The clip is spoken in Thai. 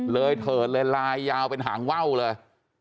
เลยเถิดเลยลายยาวเป็นห่างเว้าเลย